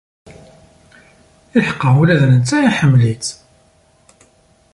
Iḥeqqa, ula d netta iḥemmel-itt.